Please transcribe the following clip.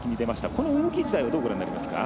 この動き自体はどうご覧になりますか？